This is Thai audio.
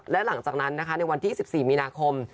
และหลังจากนั้นนะคะในวันที่๑๔มีนาคม